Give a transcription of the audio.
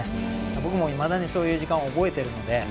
僕もいまだにそういう時間は覚えているので。